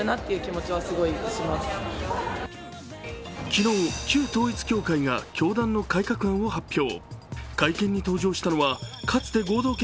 昨日、旧統一教会が教団の改革案を発表。